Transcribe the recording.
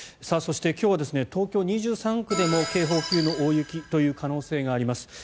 そして、今日は東京２３区でも警報級の大雪という可能性があります。